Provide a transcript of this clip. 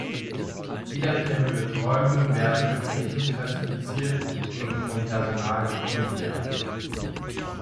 Wiederkehrende Träume werden als Echo klassifiziert und vom Personal ignoriert.